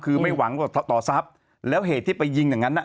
คือไม่หวังต่อทรัพย์แล้วเหตุที่ไปยิงอย่างนั้นน่ะ